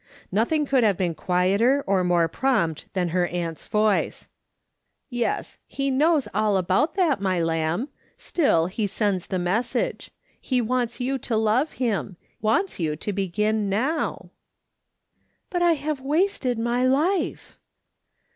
Nothing could have been quieter or more prompt that her aunt's voice :" Yes, he knows all about that, my lamb, still he sends the message. He wants you to love him ; wants you to begin now." " But I have wasted my life."